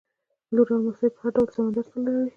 لور او نمسۍ مې په هر ډول سمندر ته لاړې.